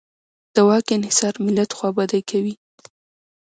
د واک انحصار ملت خوابدی کوي.